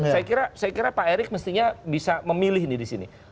saya kira pak erik mestinya bisa memilih ini disini